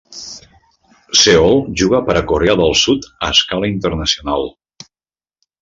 Seol juga per a Corea del Sud a escala internacional.